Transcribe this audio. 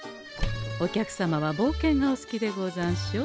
お客様はぼうけんがお好きでござんしょ？